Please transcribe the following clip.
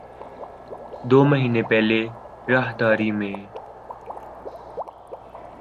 دو مہینے پہلے راہداری میں